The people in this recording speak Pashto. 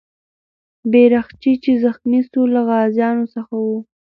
بیرغچی چې زخمي سو، له غازیانو څخه و.